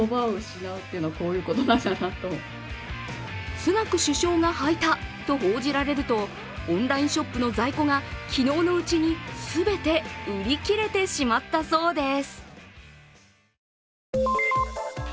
スナク首相が履いたと報じられるとオンラインショップの在庫が昨日のうちに全て売り切れてしまったそうです。